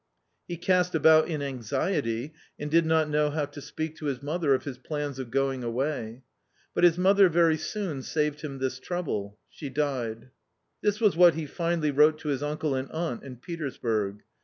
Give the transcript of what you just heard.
He cast about in anxiety and did not know how to speak to his mother of his plans of going away. But his mother very soon saved him this trouble : she died. ~~~'^ This was what he finally wrote to his uncle and aunt in Petersburg.